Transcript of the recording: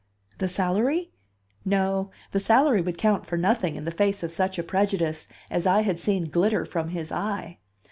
The salary? No, the salary would count for nothing in the face of such a prejudice as I had seen glitter from his eye!